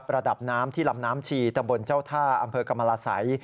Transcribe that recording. ระดับน้ำที่ลำน้ำชีตำบลเจ้าท่าอำเภอกรรมราศัย